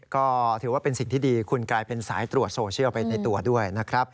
ก็ถือว่าเป็นสิ่งที่ดีคุณกลายเป็นสายตรวจโซเชียลไปในตัวด้วยนะครับ